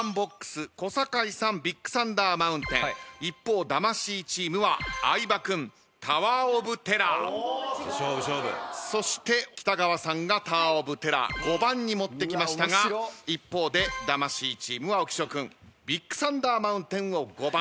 一方魂チームは相葉君タワー・オブ・テラー。そして北川さんがタワー・オブ・テラー５番に持ってきましたが一方で魂チームは浮所君ビッグサンダー・マウンテンを５番。